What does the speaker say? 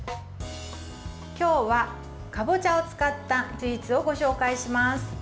今日は、かぼちゃを使ったスイーツをご紹介します。